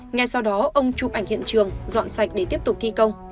ngay sau đó ông chụp ảnh hiện trường dọn sạch để tiếp tục thi công